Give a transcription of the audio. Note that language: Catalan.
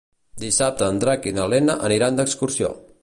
Dissabte en Drac i na Lena aniran d'excursió.